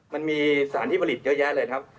มันมีสารที่ผลิตเยอะแยะเลยครับ